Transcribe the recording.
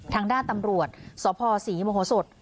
ทางด้านตำรวจสพศรีโมโหสด